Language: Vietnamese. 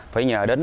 phải nhờ đến